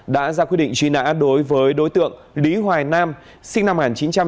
đã ra quyết định truy nã đối với đối tượng lý hoài nam sinh năm một nghìn chín trăm tám mươi